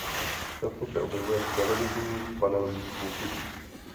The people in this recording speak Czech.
Často se objevuje v televizních panelových soutěžích.